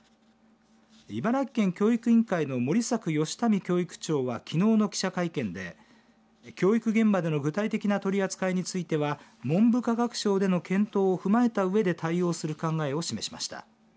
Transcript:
茨城県教育委員会の森作宜民教育長はきのうの記者会見で教育現場での具体的な取り扱いについては文部科学省での検討を踏まえたうえで対応する考えを示しました。